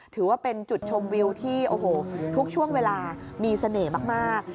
ถือว่าเป็นจุดชมวิวที่โอ้โหทุกช่วงเวลามีเสน่ห์มาก